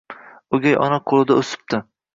O'gay ona qo'lida o'sibdi.